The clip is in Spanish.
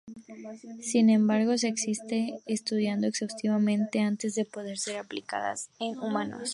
Sin embargo, se siguen estudiando exhaustivamente antes de poder ser aplicadas en humanos.